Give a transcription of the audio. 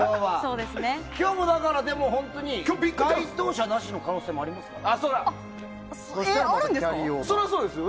今日も、該当者なしの可能性もありますから。